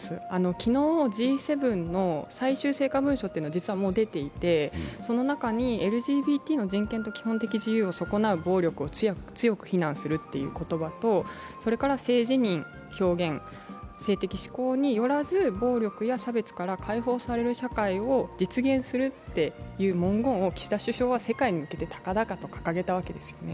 昨日、Ｇ７の最終成果文書というのが実はもう出ていて、その中にＬＧＢＴの人権と基本的自由を損なう暴力を強く非難するという言葉と性自認、表現、性的指向によらず暴力や差別から解放する社会を目指すと岸田首相は世界に向けて高々と掲げたわけですね。